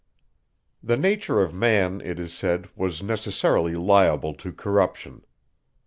The nature of man, it is said, was necessarily liable to corruption.